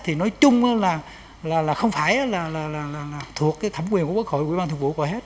thì nói chung là không phải là thuộc cái thẩm quyền của quốc hội quỹ ban thường vụ của hết